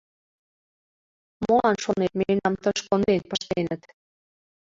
Молан, шонет, мемнам тыш конден пыштеныт?